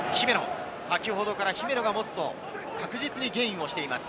姫野が持つと確実にゲインをしています。